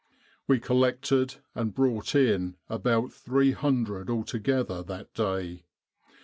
We collected and brought in about 300 altogether that day.